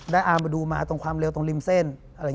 ได้อามาดูมาตรงความเร็วตรงริมเส้น